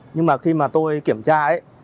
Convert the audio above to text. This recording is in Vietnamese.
nhưng mà khi mà tôi kiểm tra ấy